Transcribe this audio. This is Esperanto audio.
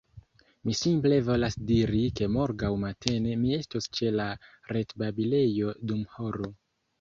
Mi simple volas diri ke morgaŭ matene mi estos ĉe la retbabilejo dum horo